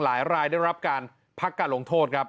หลายรายได้รับการพักการลงโทษครับ